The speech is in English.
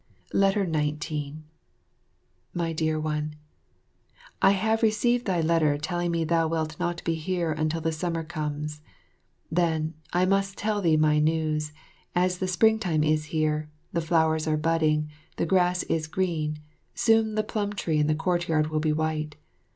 19. My Dear One, I have received thy letter telling me thou wilt not be here until the summer comes. Then, I must tell thee my news, as the springtime is here, the flowers are budding, the grass is green, soon the plum tree in the courtyard will be white.